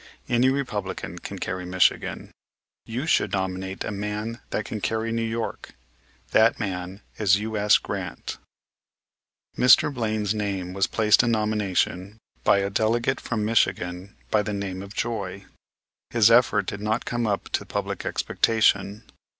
Any Republican can carry Michigan. You should nominate a man that can carry New York. That man is U.S. Grant." Mr. Blaine's name was placed in nomination by a delegate from Michigan by the name of Joy. His effort did not come up to public expectation.